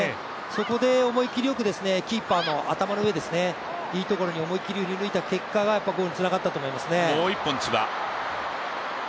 そこで思い切りよくキーパーの頭の上、いいところに思い切り振り抜いた結果がゴールにつながったと思いますね。